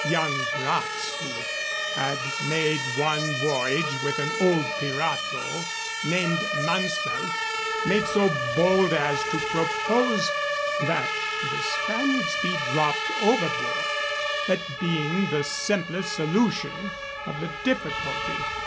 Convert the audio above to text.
Yan Gratz, who had made one voyage with an old pirato named Mansfelt, made so bold as to propose that the Spaniards be dropped overboard, that being the simplest solution of the difficulty.